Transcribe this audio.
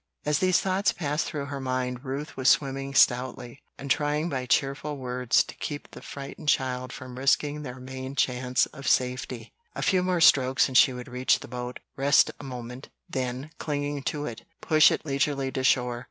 As these thoughts passed through her mind Ruth was swimming stoutly, and trying by cheerful words to keep the frightened child from risking their main chance of safety. A few more strokes and she would reach the boat, rest a moment, then, clinging to it, push it leisurely to shore.